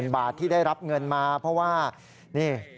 บาทที่ได้รับเงินมาเพราะว่านี่